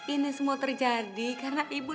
ini semua terjadi karena ibu